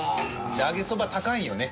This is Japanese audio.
で揚げそば高いんよね。